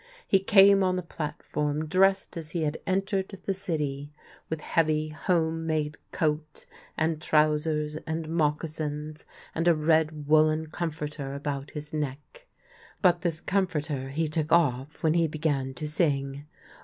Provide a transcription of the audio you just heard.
He came on the platform dressed as he had entered the city, with heavy, home made coat and trousers, and moccasins, and a red woollen comforter about his neck — but this comforter he took ofif when he began to sing.